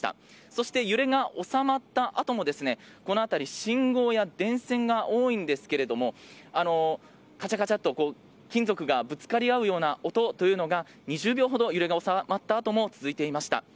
そして揺れが収まったあともこの辺り、信号や電線が多いんですけれども、かちゃかちゃっと金属がぶつかり合うような音というのが、２０秒ほど、揺れが収まったあとも続いていました。